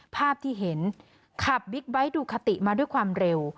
ภาพที่เห็นขับบิ๊กไบท์ดูคติมาด้วยความเร็ว